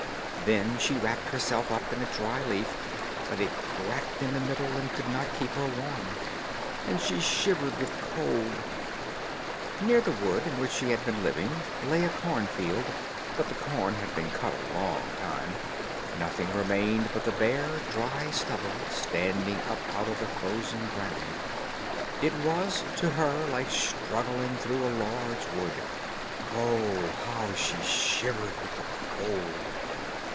Then she wrapped herself up in a dry leaf, but it cracked in the middle and could not keep her warm, and she shivered with cold. Near the wood in which she had been living lay a corn field, but the corn had been cut a long time; nothing remained but the bare dry stubble standing up out of the frozen ground. It was to her like struggling through a large wood. Oh! how she shivered with the cold.